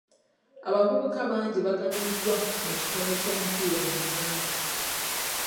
Abavubuka bangi baganyuddwa mu kitone ky'omupiira mu Uganda.